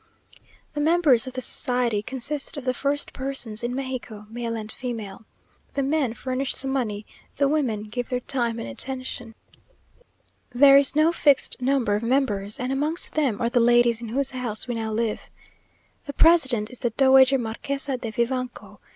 The members of the society consist of the first persons in Mexico, male and female. The men furnish the money; the women give their time and attention. There is no fixed number of members, and amongst them are the ladies in whose house we now live. The President is the Dowager Marquesa de Vivanco.